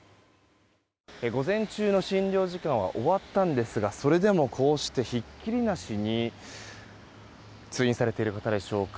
午前中の診療時間は終わったんですがそれでもこうしてひっきりなしに通院されている方でしょうか。